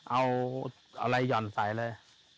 เอาอะไรหย่อนใส่เลย